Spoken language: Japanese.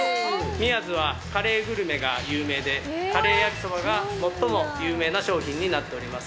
宮津はカレーグルメが有名でカレー焼そばが最も有名な商品になっております